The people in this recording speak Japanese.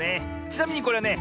ちなみにこれはね